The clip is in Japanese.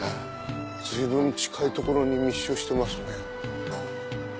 随分近い所に密集してますね。